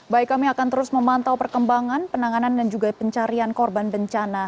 baik kami akan terus memantau perkembangan penanganan dan juga pencarian korban bencana